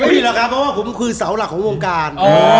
พี่หรอกครับเพราะว่าผมคือเสาหลักของวงการ